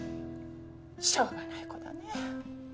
しょうがない子だねぇ。